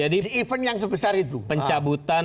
di event yang sebesar itu pencabutan